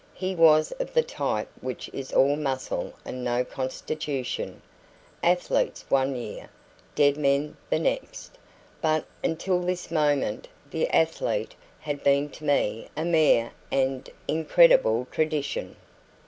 He was of the type which is all muscle and no constitution; athletes one year, dead men the next; but until this moment the athlete had been to me a mere and incredible tradition.